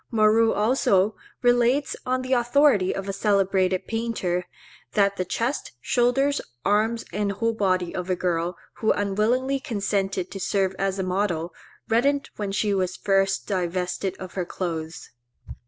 Moreau also relates, on the authority of a celebrated painter, that the chest, shoulders, arms, and whole body of a girl, who unwillingly consented to serve as a model, reddened when she was first divested of her clothes.